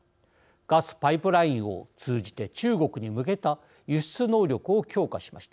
ガスパイプラインを通じて中国に向けた輸出能力を強化しました。